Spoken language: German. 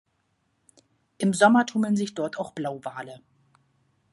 Im Sommer tummeln sich dort auch Blauwale.